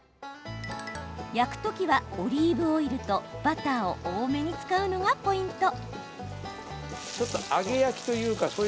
焼くときは、オリーブオイルとバターを多めに使うのがポイント。